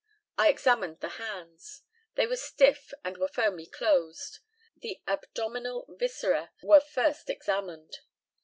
I examined the hands. They were stiff, and were firmly closed. The abdominal viscera were first examined.